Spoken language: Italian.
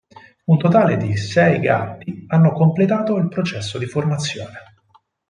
Un totale di sei gatti hanno completato il processo di formazione.